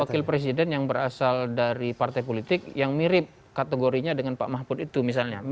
wakil presiden yang berasal dari partai politik yang mirip kategorinya dengan pak mahfud itu misalnya